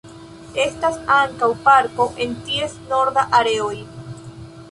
Estas ankaŭ parko en ties norda areoj.